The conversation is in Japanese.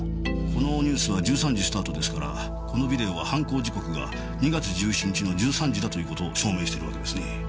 このニュースは１３時スタートですからこのビデオは犯行時刻が２月１７日の１３時だという事を証明してるわけですね。